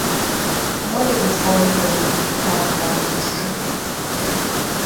Moni is born in Pabna District.